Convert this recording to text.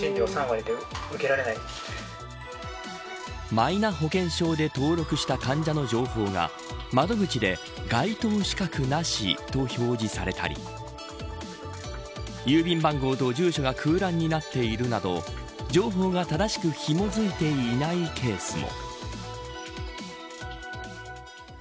マイナ保険証で登録した患者の情報が窓口で該当資格なしと表示されたり郵便番号と住所が空欄になっているなど情報が正しくひも付いていないケースも。